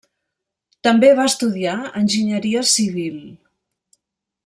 També va estudiar enginyeria civil.